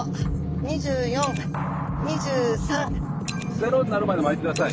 ０になるまで巻いてください。